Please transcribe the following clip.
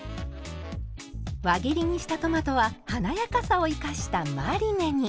輪切りにしたトマトは華やかさを生かしたマリネに。